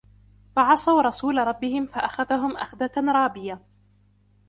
فَعَصَوْا رَسُولَ رَبِّهِمْ فَأَخَذَهُمْ أَخْذَةً رَابِيَةً